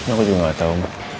aku juga gak tau